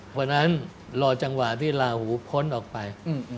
เพราะฉะนั้นรอจังหวะที่ลาหูพ้นออกไป